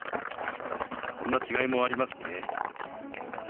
そんな違いもありますね。